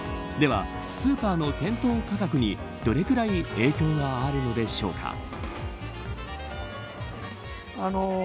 では、スーパーの店頭価格にどれくらい影響があるのでしょうか。